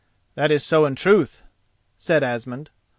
"That is so, in truth," said Asmund.